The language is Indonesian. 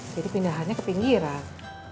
jadi pindahannya ke pinggiran